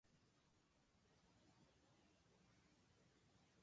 食パンは長熟が好き